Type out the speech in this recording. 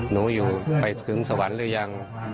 มาอยู่ที่แสวร์ทหรือยัง